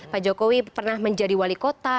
pak jokowi pernah menjadi wali kota